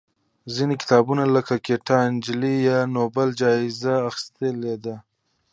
ځینې کتابونه لکه ګیتا نجلي یې نوبل جایزه اخېستې ده.